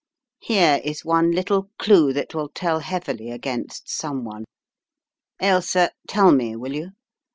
Here is one little clue that will tell heavily against someone. Ailsa, tell me, will you?